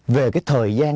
về cái thời gian